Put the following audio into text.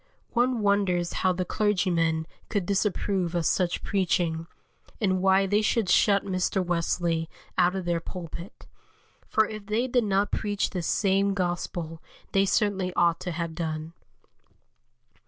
One wonders how the clergymen could disapprove of such preaching, and why they should shut Mr. Wesley out of their pulpit, for if they did not preach this same Gospel they certainly ought to have done.